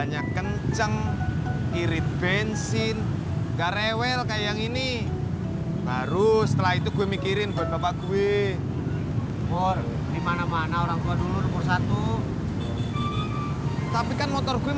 ya pak waalaikumsalam pak e